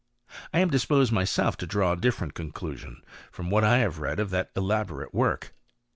I am disposed myself to draw a different conclusion, from what I have read of that elaborate work.